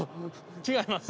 違います。